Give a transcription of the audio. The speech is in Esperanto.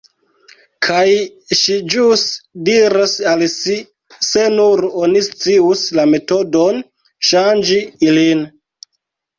Kaj ŝi ĵus diras al si "se nur oni scius la metodon ŝanĝi ilin…"